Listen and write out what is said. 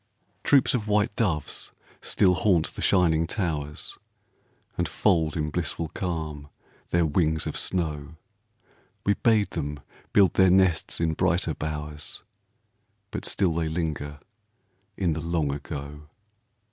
Troops of white doves still haunt the shining towers, And fold in blissful calm, their wings of snow; We bade them build their nests in brighter bowers, But still they linger in the Long Ago.